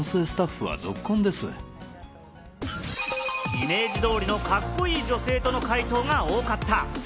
イメージ通りのカッコいい女性との回答が多かった！